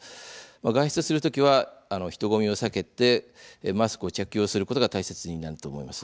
外出する時は、人混みを避けてマスクを着用することが大切になると思います。